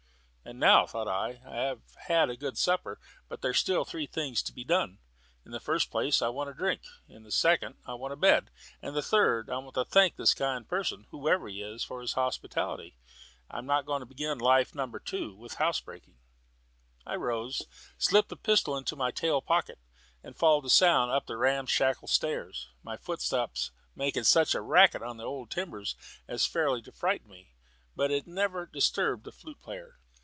"And now," thought I, "I have had a good supper; but there are still three things to be done. In the first place I want drink, in the second I want a bed, and in the third I want to thank this kind person, whoever he is, for his hospitality. I'm not going to begin life No. 2 with housebreaking." I rose, slipped the pistol into my tail pocket, and followed the sound up the ramshackle stairs. My footsteps made such a racket on their old timbers as fairly to frighten me, but it never disturbed the flute player.